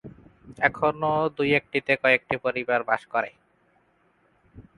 এখনো দুই একটিতে কয়েকটি পরিবার বাস করে।